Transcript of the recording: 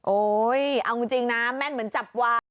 โอ้ยเอาจริงนะแม่งเหมือนจับวาย